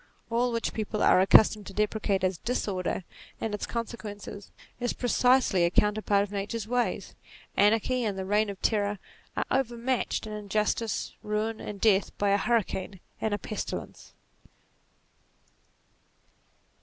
All which people are accustomed to deprecate as "disorder" and its con sequences, is precisely a counterpart of Nature's ways. Anarchy and the Reign of Terror are overmatched in injustice, ruin, and death, by a hurricane and a pestilence.